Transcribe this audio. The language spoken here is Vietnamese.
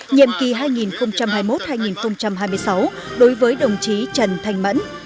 nhiệm kỳ hai nghìn hai mươi một hai nghìn hai mươi sáu đối với đồng chí trần thanh mẫn